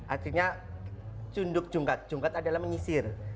artinya cunduk jungkat jungkat adalah menyisir